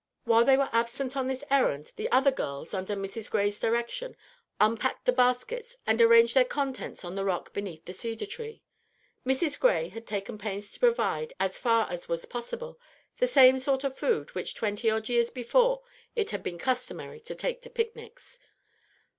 While they were absent on this errand, the other girls, under Mrs. Gray's direction, unpacked the baskets and arranged their contents on the rock beneath the cedar tree. Mrs. Gray had taken pains to provide, as far as was possible, the same sort of food which twenty odd years before it had been customary to take to picnics.